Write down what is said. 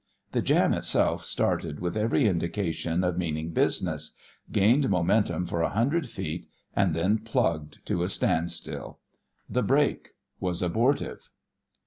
The jam itself started with every indication of meaning business, gained momentum for a hundred feet, and then plugged to a standstill. The "break" was abortive.